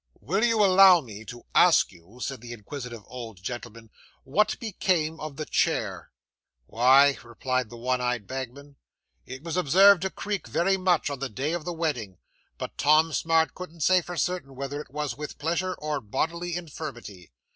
'Will you allow me to ask you,' said the inquisitive old gentleman, 'what became of the chair?' 'Why,' replied the one eyed bagman, 'it was observed to creak very much on the day of the wedding; but Tom Smart couldn't say for certain whether it was with pleasure or bodily infirmity.